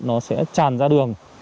nó sẽ tràn ra đường